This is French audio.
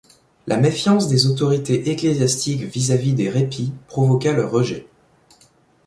La méfiance des autorités ecclésiastiques vis-à-vis des répits provoqua leur rejet.